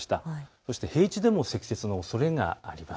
そして平地でも積雪のおそれがあります。